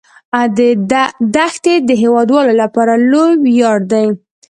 دښتې د هیوادوالو لپاره لوی ویاړ دی.